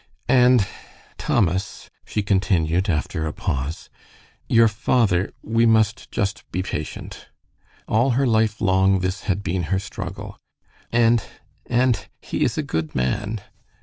"And, Thomas," she continued, after a pause, "your father we must just be patient." All her life long this had been her struggle. "And and he is a good man."